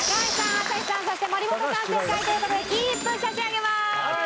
朝日さんそして森本さん正解という事で金一封差し上げます！